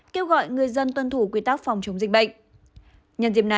kêu gọi người dân tuân thủ quy tắc phòng chống dịch bệnh